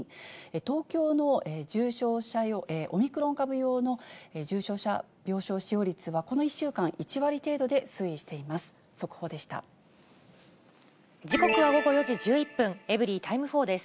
東京の重症者用、オミクロン株用の重症者病床使用率は、この１週間、１割程度で推移しています。